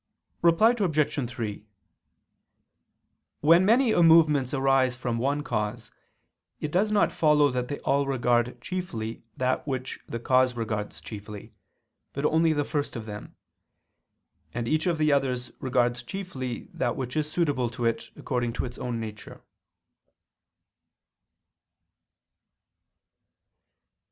Reply Obj. 3: When many movements arise from one cause, it does not follow that they all regard chiefly that which the cause regards chiefly, but only the first of them. And each of the others regards chiefly that which is suitable to it according to its own nature.